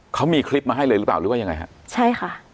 เขามีคลิปมาให้เลยหรือเปล่าหรือว่ายังไงฮะใช่ค่ะ